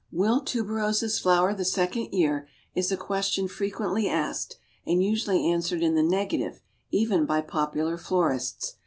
Will Tuberoses flower the second year, is a question frequently asked, and usually answered in the negative, even by popular florists.